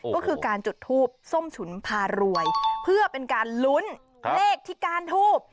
ก็คือการจุดทูปส้มฉุนพารวยเพื่อเป็นการลุ้นเลขที่ก้านทูบ